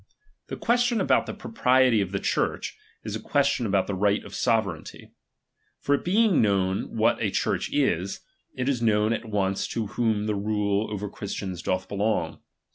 The question about the propriety of the Church, is a question about the right of sovereignty. For it being known what a Church is, it is known at once to whom the rule over Christains doth belong.